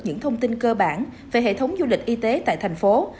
những thông tin cơ bản về hệ thống du lịch y tế tại thành phố